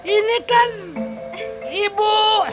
ini kan ibu